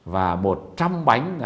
và một trăm linh bánh